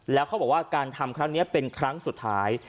แล้วเขาบอกว่าการทำครั้งนี้เป็นครั้งสุดท้าย